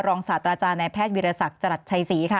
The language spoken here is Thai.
ศาสตราจารย์ในแพทย์วิรสักจรัสชัยศรีค่ะ